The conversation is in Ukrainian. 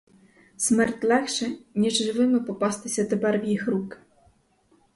Смерть легше, ніж живими попастися тепер в їх руки.